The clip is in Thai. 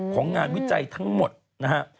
ของงานวิจัยทั้งหมดนะฮะ